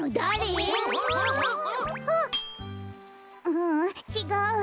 ううんちがう。